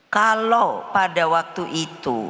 kalau pada waktu itu